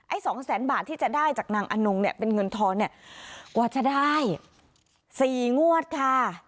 สองแสนบาทที่จะได้จากนางอนงเนี่ยเป็นเงินทอนเนี่ยกว่าจะได้สี่งวดค่ะ